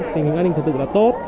tình hình an ninh trật tự là tốt